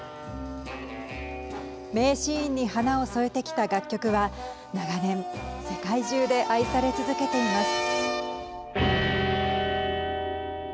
名シーンに華を添えてきた楽曲は長年世界中で愛され続けています。